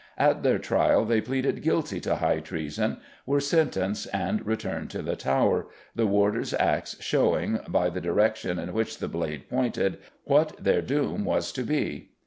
At their trial they pleaded guilty to high treason, were sentenced, and returned to the Tower, the Warder's axe showing, by the direction in which the blade pointed, what their doom was to be.